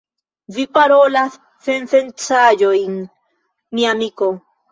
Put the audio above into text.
Vi parolas sensencaĵon, mia amiko.